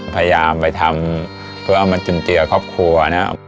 พยายามไปทำเพื่อเอามาจุนเจียครอบครัวนะครับ